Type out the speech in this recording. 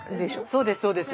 そうですそうです。